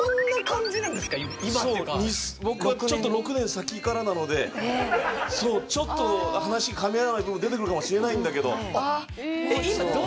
僕はちょっと６年先からなのでそうちょっと話かみ合わない部分も出てくるかもしれないんだけど。